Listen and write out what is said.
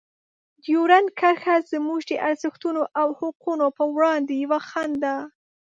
ډیورنډ کرښه زموږ د ارزښتونو او حقونو په وړاندې یوه خنډ ده.